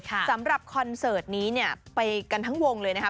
สำหรับคอนเสิร์ตนี้เนี่ยไปกันทั้งวงเลยนะคะ